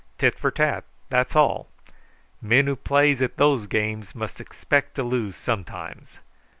Tit for tat; that's all. Men who plays at those games must expect to lose sometimes.